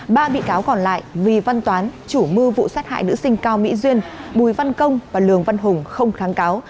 ba bị cáo còn lại vì văn toán chủ mưu vụ sát hại nữ sinh cao mỹ duyên bùi văn công và lường văn hùng không kháng cáo